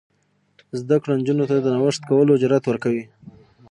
زده کړه نجونو ته د نوښت کولو جرات ورکوي.